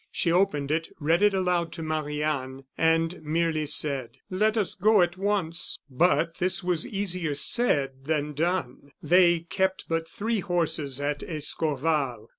She opened it, read it aloud to Marie Anne, and merely said: "Let us go at once." But this was easier said than done. They kept but three horses at Escorval.